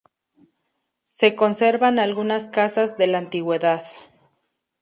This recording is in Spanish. Se conservan algunas casas de la antigüedad.